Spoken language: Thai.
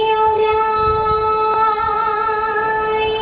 หกฝันเพลิงน้ำตาเอ่อ